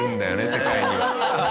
世界には。